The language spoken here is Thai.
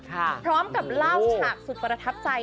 ค่ะโอ้โหพร้อมกับเล่าฉากสุดประทับใจ